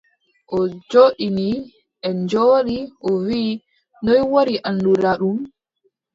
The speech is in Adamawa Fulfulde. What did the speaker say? O joɗɗini, en njooɗi, o wii : noy waɗi annduɗa ɗum ?